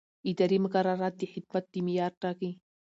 اداري مقررات د خدمت د معیار ټاکي.